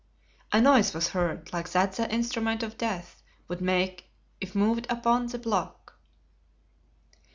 A noise was heard like that the instrument of death would make if moved upon the block.